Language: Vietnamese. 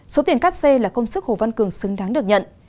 số tiền cắt xê là công sức hồ văn cường xứng đáng được nhận